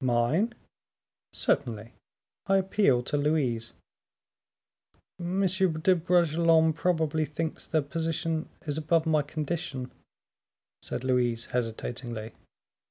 "Mine?" "Certainly; I appeal to Louise." "M. de Bragelonne probably thinks the position is above my condition," said Louise, hesitatingly.